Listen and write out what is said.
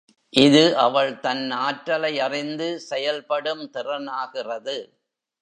இது அவள் தன் ஆற்றலை அறிந்து செயல்படும் திறனாகிறது.